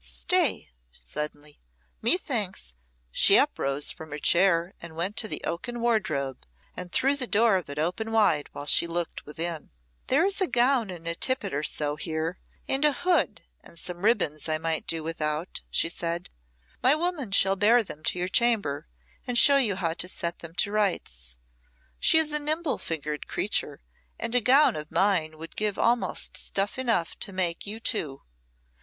Stay," suddenly; "methinks " She uprose from her chair and went to the oaken wardrobe, and threw the door of it open wide while she looked within. "There is a gown and tippet or so here, and a hood and some ribands I might do without," she said. "My woman shall bear them to your chamber, and show you how to set them to rights. She is a nimble fingered creature, and a gown of mine would give almost stuff enough to make you two.